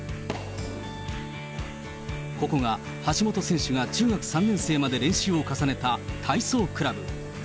ここが、橋本選手が中学３年生まで練習を重ねた体操クラブ。